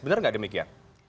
benar nggak demikian